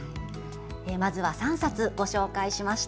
まずは３冊ご紹介しました。